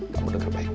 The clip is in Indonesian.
kamu denger baik baik